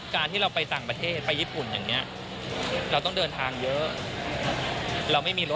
คือเราแบบจะเป็นตัวช่วยเหรอ